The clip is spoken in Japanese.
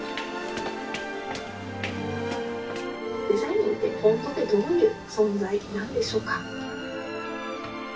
「デザインってフォントってどういう存在なんでしょうか？」。